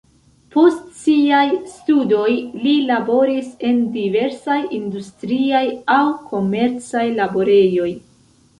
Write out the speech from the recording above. Post siaj studoj li laboris en diversaj industriaj aŭ komercaj laborejoj.